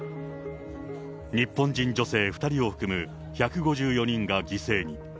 日本人女性２人を含む１５４人が犠牲に。